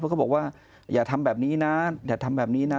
เขาบอกว่าอย่าทำแบบนี้นะอย่าทำแบบนี้นะ